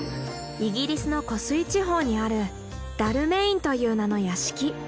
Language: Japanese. イギリスの湖水地方にあるダルメインという名の屋敷。